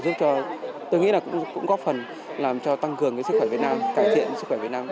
giúp cho tôi nghĩ là cũng góp phần làm cho tăng cường cái sức khỏe việt nam cải thiện sức khỏe việt nam